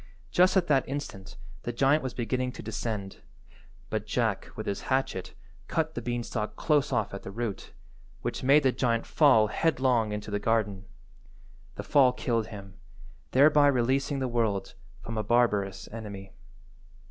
Just at that instant the giant was beginning to descend, but Jack with his hatchet cut the beanstalk close off at the root, which made the giant fall headlong into the garden. The fall killed him, thereby releasing the world from a barbarous enemy.